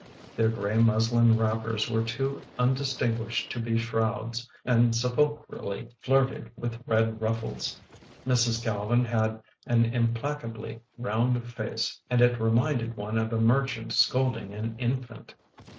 Their gray muslin wrappers were too undistinguished to be shrouds and sepulchrally flirted with red ruffles. Mrs. Calvin had an implacably round face and it re minded one of a merchant scolding an infant.